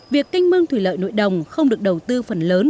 việc canh mương thủy lợi nội đồng không được đầu tư phần lớn